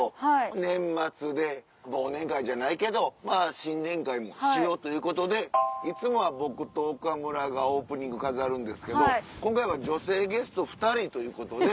年末で忘年会じゃないけど新年会もしようということでいつもは僕と岡村がオープニング飾るんですけど今回は女性ゲスト２人ということで。